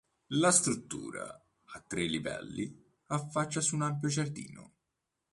La struttura, a tre livelli, affaccia su un ampio giardino.